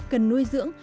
cần nuôi dưỡng